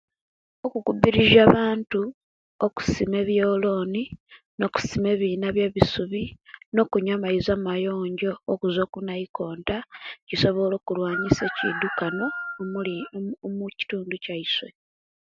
Okukubirizia abantu okusima ebyoloni no okusima ebina ebye bisubi no okunywa amaizi amayonjo okuva kunaikonta kisobola okulwanisia ekidukano omuli omu..mu... omukitundu kyaisu